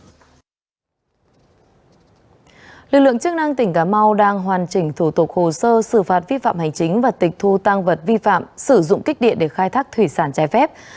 v grosse thành công đó lực lượng chức năng tỉnh cà mau hoàn thành thủ tục hồ sơ xử phạt vi phạm hành chính và tịch thu tăng vật vi phạm sử dụng kích điện để khai thác thủy sản trái phép